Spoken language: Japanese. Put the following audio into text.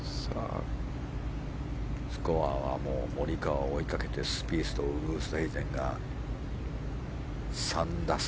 スコアはモリカワを追いかけてスピースとウーストヘイゼンが３打差。